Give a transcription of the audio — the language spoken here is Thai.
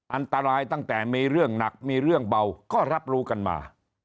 อันตรายตั้งแต่มีเรื่องหนักมีเรื่องเบาก็รับรู้กันมา